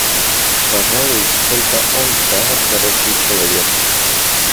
Пожалуй; только он, право, хороший человек.